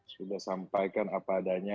sudah sampaikan apa adanya